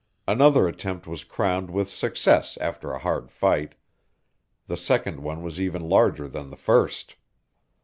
Another attempt was crowned with success after a hard fight. The second one was even larger than the first.